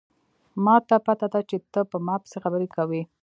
ما ته پته ده چې ته په ما پسې خبرې کوې